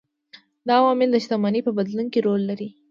دا عوامل د شتمنۍ په بدلون کې رول لري.